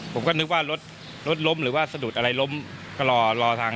ผมก็นึกว่ารถรถล้มหรือว่าสะดุดอะไรล้มก็รอรอทาง